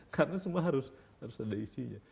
karena semua harus ada isinya